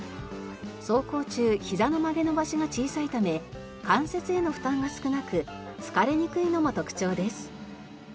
走行中ひざの曲げ伸ばしが小さいため関節への負担が少なく疲れにくいのも特徴です。